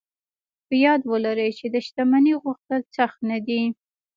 په ياد ولرئ چې د شتمنۍ غوښتل سخت نه دي.